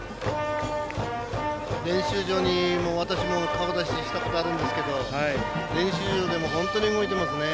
練習場に私も顔を出しに来たことがあるんですけど練習場でも本当に動いていますね。